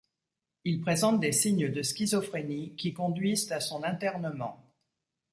Il présente des signes de schizophrénie qui conduisent à son internement.